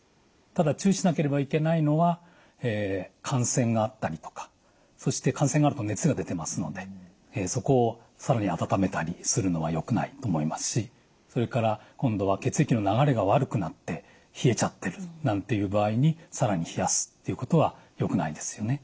ただ注意しなければいけないのは感染があったりとかそして感染があると熱が出てますのでそこを更に温めたりするのはよくないと思いますしそれから今度は血液の流れが悪くなって冷えちゃってるなんていう場合に更に冷やすということはよくないですよね。